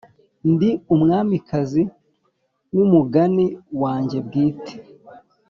ndi umwamikazi wumugani wanjye bwite.